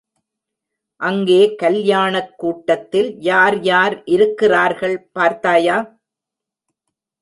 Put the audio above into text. அங்கே கல்யாணக் கூடத்தில் யார் யார் இருக்கிறார்கள், பார்த்தாயா?